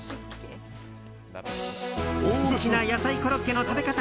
大きな野菜コロッケの食べ方